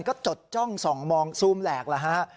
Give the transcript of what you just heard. ก็จดจ้องส่องมองซูมแหลกแล้วฮะ